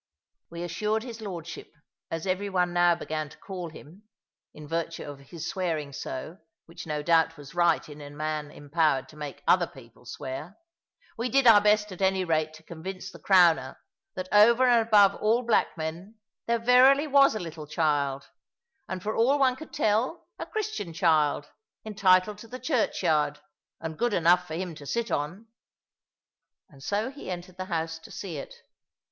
We assured his lordship, as every one now began to call him (in virtue of his swearing so, which no doubt was right in a man empowered to make other people swear), we did our best at any rate to convince the Crowner, that over and above all black men, there verily was a little child, and, for all one could tell, a Christian child, entitled to the churchyard, and good enough for him to sit on. And so he entered the house to see it.